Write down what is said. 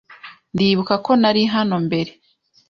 Ndibuka ko nari hano mbere.